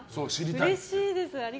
うれしいです。